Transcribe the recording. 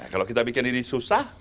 kalau kita bikin ini susah